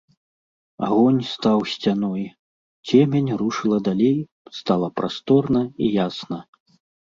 Агонь стаў сцяной, цемень рушыла далей, стала прасторна і ясна.